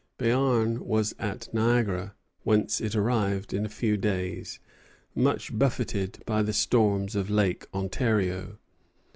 Béarn was at Niagara, whence it arrived in a few days, much buffeted by the storms of Lake Ontario.